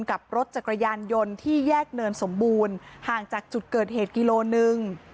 กับรถจักรยานยนต์ที่แยกเนินสมบูรณ์ห่างจากจุดเกิดเหตุกิโลหนึ่ง